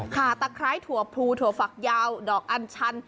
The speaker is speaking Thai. ขาตะคร้ายถั่วพูถั่วฝักยาวดอกอัญชัน